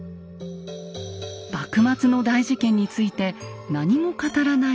幕末の大事件について何も語らない慶喜。